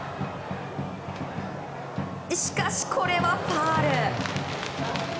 しかし、これはファウル。